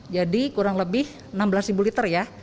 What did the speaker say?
jadi kurang lebih enam belas liter ya